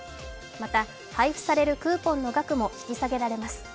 また、配布されるクーポンの額も引き下げられます。